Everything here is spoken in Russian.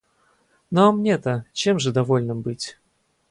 Ну, а мне-то чем же довольным быть?